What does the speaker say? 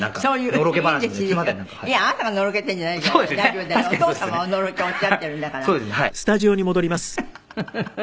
「お父様がおのろけをおっしゃってるんだから」ハハハハ！